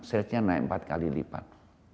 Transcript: selge nya naik empat kali lipat